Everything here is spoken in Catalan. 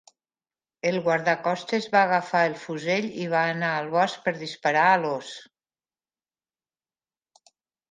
El guardacostes va agafar el fusell i va anar al bosc per disparar a l'os.